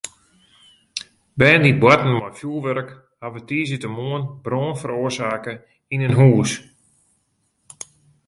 Bern dy't boarten mei fjurwurk hawwe tiisdeitemoarn brân feroarsake yn in hûs.